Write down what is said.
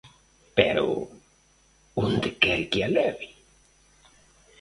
_Pero... ¿onde quere que a leve?